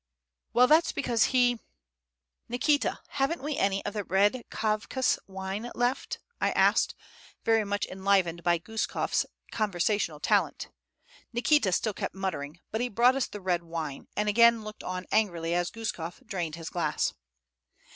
"Well, that's because he ... Nikita, haven't we any of that red Kavkas wine [Footnote: Chikir] left?" I asked, very much enlivened by Guskof's conversational talent. Nikita still kept muttering; but he brought us the red wine, and again looked on angrily as Guskof drained his glass.